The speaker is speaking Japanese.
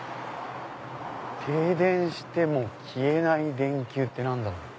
「停電しても消えない電球」って何だろう？